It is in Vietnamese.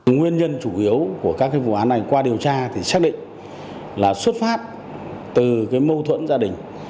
nguyên nhân chủ yếu của các vụ án này qua điều tra thì xác định là xuất phát từ mâu thuẫn gia đình